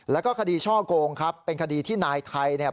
แล้วก็คดีช่อโกงครับเป็นคดีที่นายไทยเนี่ย